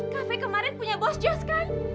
kafe kemarin punya bos jazz kan